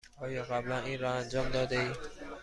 آیا قبلا این را انجام داده ای؟